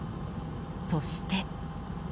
そして。